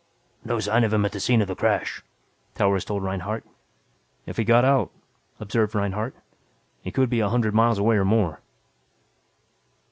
"No sign of him at the scene of the crash," Towers told Reinhardt. "If he got out," observed Reinhardt, "he could be a hundred miles away or more."